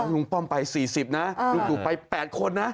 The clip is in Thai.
ลุงป้อมไป๔๐นะลุงตู่ไป๘คนนะ